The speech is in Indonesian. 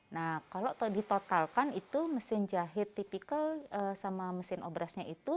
nah kalau ditotalkan itu mesin jahit tipikal sama mesin obrasnya itu